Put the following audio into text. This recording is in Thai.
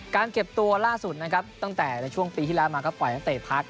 เก็บตัวล่าสุดนะครับตั้งแต่ในช่วงปีที่แล้วมาก็ปล่อยนักเตะพัก